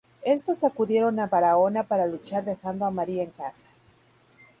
Estos acudieron a Barahona para luchar dejando a María en casa.